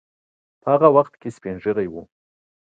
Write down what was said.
په هغه وخت کې سپین ږیری وو.